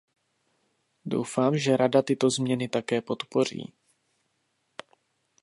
Doufám, že Rada tyto změny také podpoří.